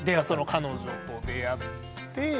彼女と出会って。